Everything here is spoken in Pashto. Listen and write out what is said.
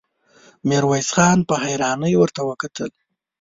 ميرويس خان په حيرانۍ ورته وکتل.